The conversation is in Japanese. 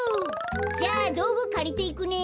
じゃあどうぐかりていくね。